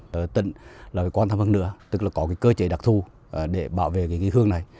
tự tịnh là quan thâm hơn nữa tức là có cái cơ chế đặc thu để bảo vệ cái hương này